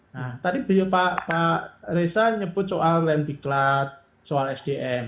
nah tadi pak reza nyebut soal land biclat soal sdm